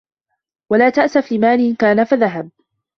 وَلَا تَأْسَفْ لِمَالٍ كَانَ فَذَهَبَ